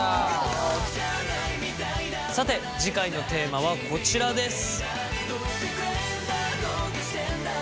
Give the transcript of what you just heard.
さて次回のテーマはこちらです。